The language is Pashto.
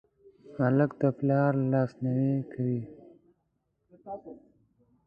هلک د پلار لاسنیوی کوي.